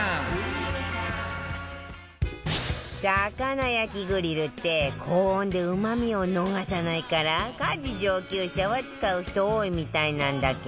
魚焼きグリルって高温でうまみを逃さないから家事上級者は使う人多いみたいなんだけど